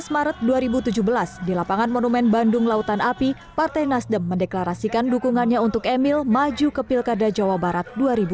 dua belas maret dua ribu tujuh belas di lapangan monumen bandung lautan api partai nasdem mendeklarasikan dukungannya untuk emil maju ke pilkada jawa barat dua ribu delapan belas